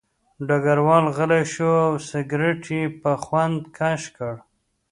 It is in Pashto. ډګروال غلی شو او سګرټ یې په خوند کش کړ